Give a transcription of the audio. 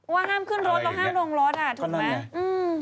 ว่าห้ามขึ้นรถหรอกห้ามลงรถถูกไหม